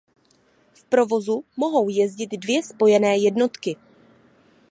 V provozu mohou jezdit dvě spojené jednotky.